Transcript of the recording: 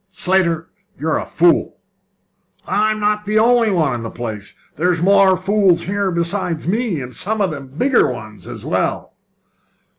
"Slater, you're a fool!" "I'm not the only one in the place! There's more fools here besides me, and some of them bigger ones as well!"